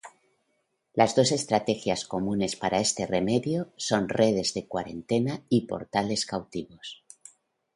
Las dos estrategias comunes para este remedio son redes de cuarentena y portales cautivos.